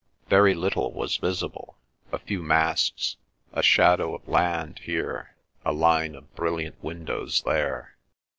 Very little was visible—a few masts, a shadow of land here, a line of brilliant windows there.